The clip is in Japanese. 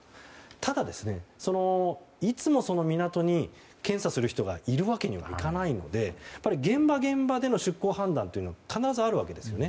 ただ、いつも港に検査する人がいるわけにもいかないので現場現場での出航判断というのが必ずあるわけですよね。